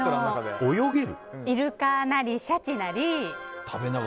イルカなりシャチなり。